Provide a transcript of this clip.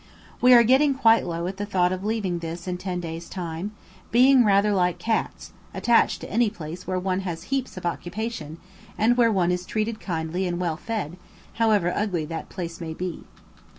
We are getting quite low at the thoughts of leaving this in ten days' time; being rather like cats, attached to any place where one has heaps of occupation, and where one is kindly treated and well fed, however ugly that place may be.